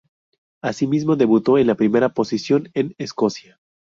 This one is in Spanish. Asimismo debutó en la primera posición en Escocia.